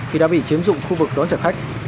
khi đã bị chiếm dụng khu vực đón trả khách